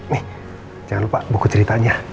nih jangan lupa buku ceritanya